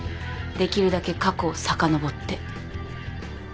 できるだけ過去をさかのぼって